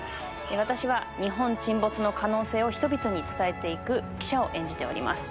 私は日本沈没の可能性を人々に伝えていく記者を演じております